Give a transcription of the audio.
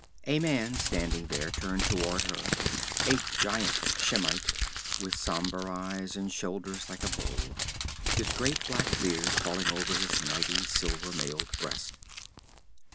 A man standing there turned toward her a giant Shemite, with sombre eyes and shoulders like a bull, his great black beard falling over his mighty, silver mailed breast.